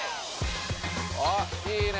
おっいいね。